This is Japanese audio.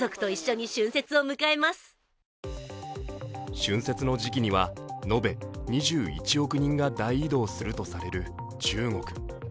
春節の時期には延べ２１億人が大移動するとされる中国。